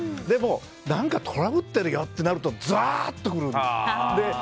でも、何かトラブってるよってなるとざーっとくる。